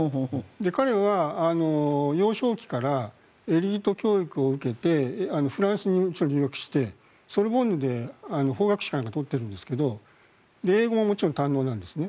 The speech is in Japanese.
彼は幼少期からエリート教育を受けてフランスに留学してソルボンヌで法学士かなんかを取っているんですが英語ももちろん堪能なんですね。